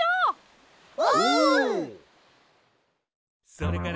「それから」